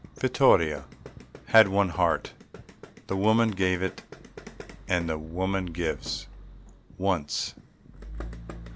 Vittoria had one heart. The woman gave it, and the woman gives Once.